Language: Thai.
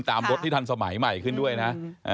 ตามรถที่ทันสมัยอีกขึ้นด้วยนะ